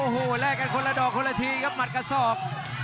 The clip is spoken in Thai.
โอ้โหแลกกันคนละดอกคนละทีครับหัดกระสอบ